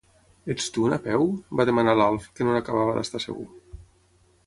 Ets tu, Napeu? —va demanar l'Alf, que no n'acabava d'estar segur.